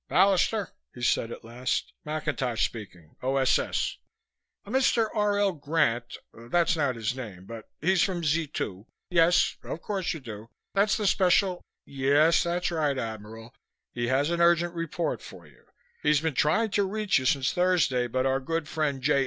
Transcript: "Ballister," he said at last. "McIntosh speaking, O.S.S. A Mr. R. L. Grant that's not his name, but he's from Z 2 Yes, of course you do. That's the special Yes, that's right, Admiral. He has an urgent report for you. He's been trying to reach you since Thursday but our good friend J.